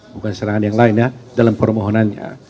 bukan serangan yang lain ya dalam permohonannya